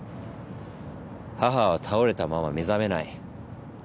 母は倒れたまま目覚めない。